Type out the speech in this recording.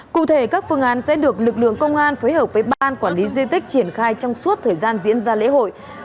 cụ thể các phương án sẽ được lực lượng công an phối hợp với ban quản lý di tích triển khai trong suốt thời gian diễn ra lễ hội